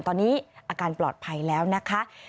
ตอนนี้อาการปลอดภัยแล้วนะคะ